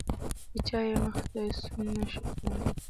هیچا یې مخې ته سوڼ نه شو کولی.